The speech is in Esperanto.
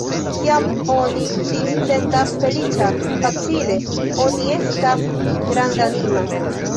Kiam oni sin sentas feliĉa, facile oni estas grandanima.